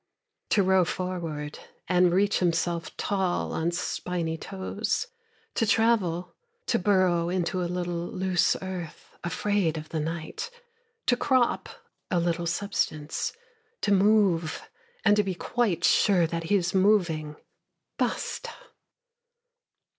To row forward, and reach himself tall on spiny toes, To travel, to burrow into a little loose earth, afraid of the night, To crop a little substance, To move, and to be quite sure that he is moving: Basta!